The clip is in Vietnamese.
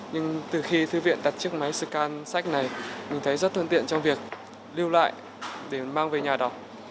nhưng từ khi thư viện đặt chiếc máy scan sách này mình thấy rất thuận tiện trong việc lưu lại để mang về nhà đọc